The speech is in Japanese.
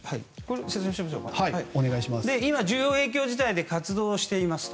今、重要影響事態で活動していますと。